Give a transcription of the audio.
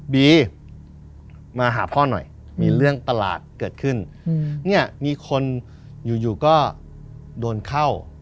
บีมาหาพ่อหน่อยมีเรื่องประหลาดเกิดขึ้นเนี่ยมีคนอยู่อยู่ก็โดนเข้า